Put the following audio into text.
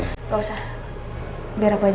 gak usah biar aku aja yang siapin ya